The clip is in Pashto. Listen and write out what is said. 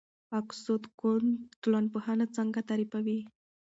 اګوست کُنت ټولنپوهنه څنګه تعریفوي؟